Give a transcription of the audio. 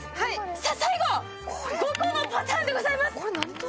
さあ、最後、５個のパターンです。